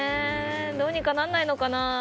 どうにかならないのかな。